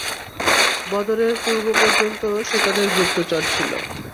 বদরের পূর্ব পর্যন্ত সে তাদের গুপ্তচর ছিল।